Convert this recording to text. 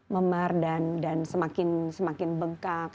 memar dan semakin bengkak